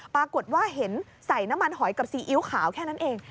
ปรากฏว่าเห็นใส่น้ำมันหอยกับซีอิ๊วขาวแค่นั้นเอง